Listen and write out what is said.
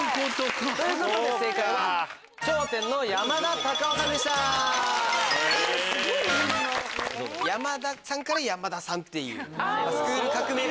山田さんから山田さんっていう。